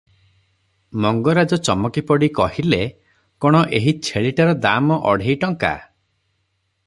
ମଙ୍ଗରାଜ ଚମକିପଡ଼ି କହିଲେ, "କଣ ଏହି ଛେଳିଟାର ଦାମ ଅଢ଼େଇ ଟଙ୍କା ।